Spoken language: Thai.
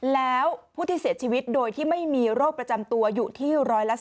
แล้วผู้ที่เสียชีวิตโดยที่ไม่มีโรคประจำตัวอยู่ที่๑๔